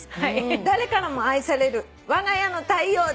「誰からも愛されるわが家の太陽です」